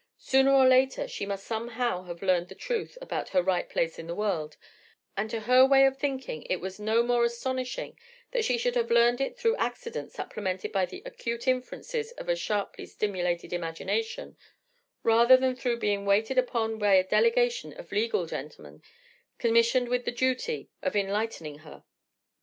Sooner or later she must somehow have learned the truth about her right place in the world; and to her way of thinking it was no more astonishing that she should have learned it through accident supplemented by the acute inferences of a sharply stimulated imagination, rather than through being waited upon by a delegation of legal gentlemen commissioned with the duty of enlightening her.